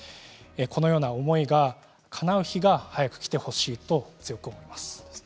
このような思いが、かなう日が早くきてほしいと強く思います。